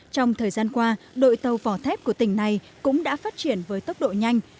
trong thời gian qua đội tàu vỏ thép của tỉnh này cũng đã phát triển với tốc độ nhanh